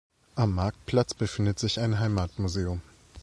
Am Marktplatz befindet sich ein Heimatmuseum.